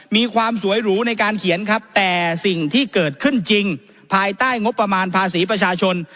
มีความสวยหรูในการเขียนครับแต่สิ่งที่เกิดขึ้นจริงภายใต้งบประมาณภาษีประชาชน